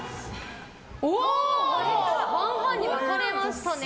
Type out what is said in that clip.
半々に分かれましたね。